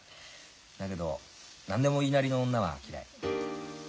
だけど何でも言いなりの女は嫌い。